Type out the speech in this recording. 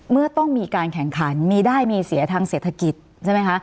เมื่อต้องมีการแข่งขันมีได้มีเสียทางเศรษฐกิจใช่ไหมคะ